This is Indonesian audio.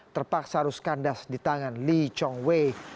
terpaksa harus kandas di tangan lee chong wei